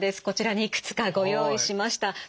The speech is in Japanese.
こちらにいくつかご用意しました。